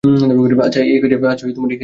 আচ্ছা, এই কাজে কীভাবে জড়ালে?